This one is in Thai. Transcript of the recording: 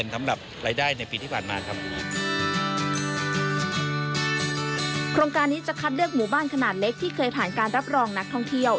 ที่เคยผ่านการรับรองนักท่องเที่ยว